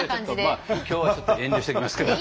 今日はちょっと遠慮しときますけど。